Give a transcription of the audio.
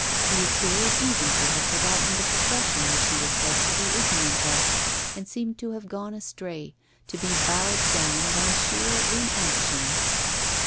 He appeared even to have forgotten the profession which he was said to be ignorant of, and seemed to have gone astray, to be bowed down by sheer inaction.